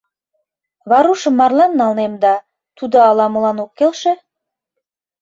Варушым марлан налнем да, тудо ала-молан ок келше.